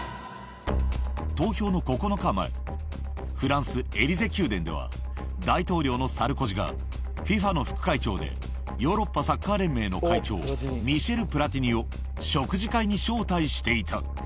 投票の９日前、フランス・エリゼ宮殿では、大統領のサルコジが、ＦＩＦＡの副会長で、ヨーロッパサッカー連盟の会長、ミシェル・プラティニを食事会に招待していた。